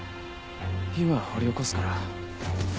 今掘り起こすから。